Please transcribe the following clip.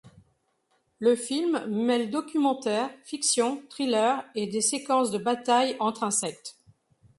Le film mêle documentaire, fiction, thriller et des séquences de batailles entre insectes.